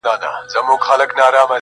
چي ښه ورته رانژدې سوو